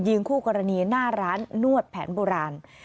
คู่กรณีหน้าร้านนวดแผนโบราณ